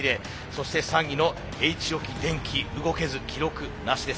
そして３位のＨ置電機動けず記録なしです。